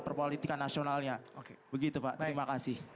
perpolitika nasionalnya terima kasih